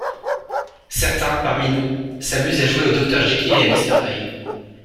Certains, parmi nous, s’amusent à jouer au Dr Jekyll et à Mr Hyde.